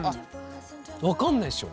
分かんないっしょ？